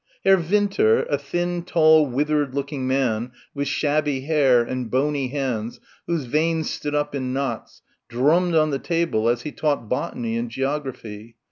Herr Winter, a thin tall withered looking man with shabby hair and bony hands whose veins stood up in knots, drummed on the table as he taught botany and geography.